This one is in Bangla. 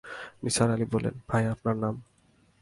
নিসার আলি বললেন, ভাই, আপনার নাম?